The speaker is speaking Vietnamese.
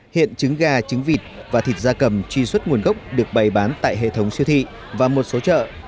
hiện trứng gà trứng vịt và thịt da cầm truy xuất nguồn gốc được bày bán tại hệ thống siêu thị và một số chợ